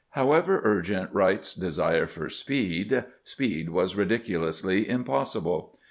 However urgent Wright's desire for speed, speed was ridiculously impossible.